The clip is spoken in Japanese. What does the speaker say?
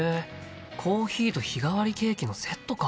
コーヒーと日替わりケーキのセットか。